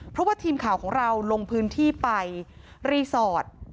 เพราะว่าทีมข่าวของเราลงพื้นที่ไปรีสอร์ท